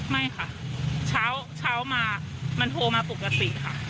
ไม่ค่ะเช้ามามันโทรมาปกติค่ะ